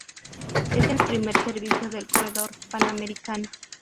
Es el primer servicio del Corredor Panamericana.